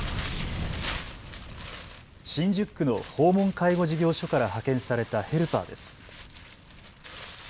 新宿区の訪問介護事業所から派遣されたヘルパーです。